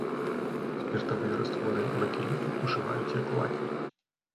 Спіртавыя растворы бакеліту ўжываюць як лакі.